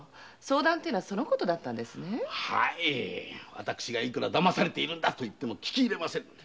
私がいくらだまされているんだと言っても聞きません。